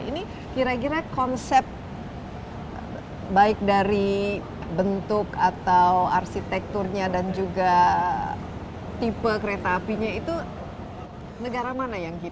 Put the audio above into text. ini kira kira konsep baik dari bentuk atau arsitekturnya dan juga tipe kereta apinya itu negara mana yang hidup